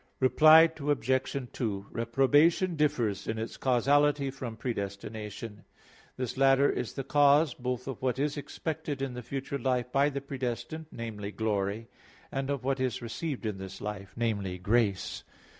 Reply Obj. 2: Reprobation differs in its causality from predestination. This latter is the cause both of what is expected in the future life by the predestined namely, glory and of what is received in this life namely, grace.